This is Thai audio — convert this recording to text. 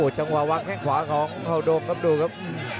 จังหวะวางแข้งขวาของเขาโดมครับดูครับ